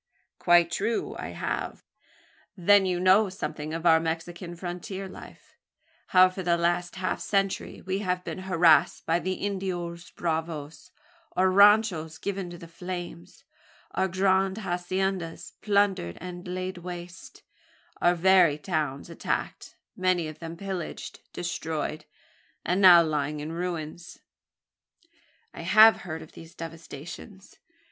"Quite true I have." "Then you know something of our Mexican frontier life how for the last half century we have been harassed by the Indios bravos our ranchos given to the flames our grand haciendas plundered and laid waste our very towns attacked many of them pillaged, destroyed, and now lying in ruins." "I have heard of these devastations.